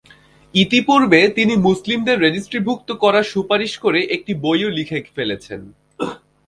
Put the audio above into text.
ইতিপূর্বে তিনি মুসলিমদের রেজিস্ট্রিভুক্ত করার সুপারিশ করে একটি বইও লিখে ফেলেছেন।